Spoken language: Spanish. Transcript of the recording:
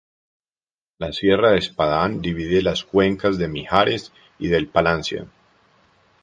La Sierra de Espadán divide las cuencas del Mijares y del Palancia.